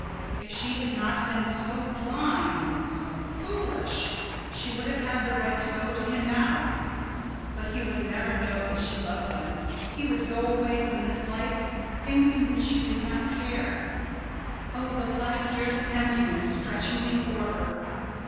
If she had not been so blind—so foolish—she would have had the right to go to him now. But he would never know that she loved him—he would go away from this life thinking that she did not care. Oh, the black years of emptiness stretching before her!